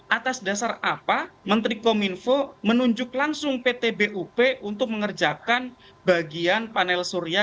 atas dasar apa menteri kominfo menunjuk langsung pt bup untuk mengerjakan bagian panel surya